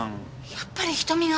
やっぱり瞳が？